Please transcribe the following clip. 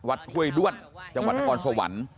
วัดเฮ้ยด้วนจังหวัดนกรสวรรค์